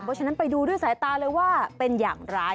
เพราะฉะนั้นไปดูด้วยสายตาเลยว่าเป็นอย่างไร